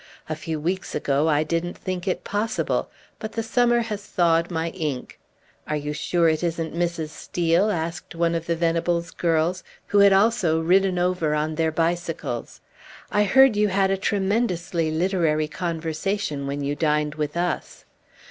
A few weeks ago I didn't think it possible; but the summer has thawed my ink." "Are you sure it isn't Mrs. Steel?" asked one of the Venables girls, who had also ridden over on their bicycles. "I heard you had a tremendously literary conversation when you dined with us."